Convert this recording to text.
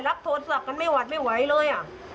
รับโทรศัพท์กันไม่หวัดไม่ไหวเลย